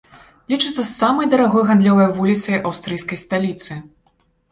Лічыцца самай дарагой гандлёвай вуліцай аўстрыйскай сталіцы.